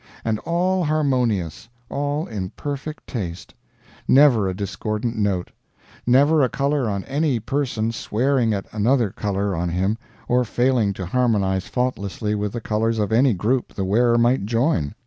And all harmonious, all in perfect taste; never a discordant note; never a color on any person swearing at another color on him or failing to harmonize faultlessly with the colors of any group the wearer might join.